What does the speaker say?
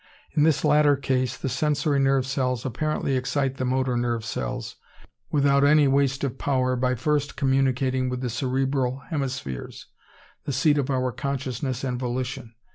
In this latter case the sensory nerve cells apparently excite the motor nerve cells without any waste of power by first communicating with the cerebral hemispheres—the seat of our consciousness and volition.